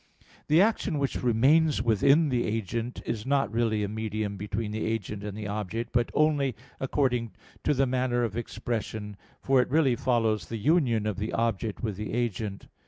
The action which remains within the agent, is not really a medium between the agent and the object, but only according to the manner of expression; for it really follows the union of the object with the agent.